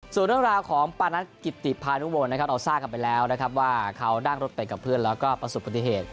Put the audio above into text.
ส่วนเรื่องราวของปานัทกิติพานุวงศ์นะครับเราทราบกันไปแล้วนะครับว่าเขานั่งรถไปกับเพื่อนแล้วก็ประสบปฏิเหตุ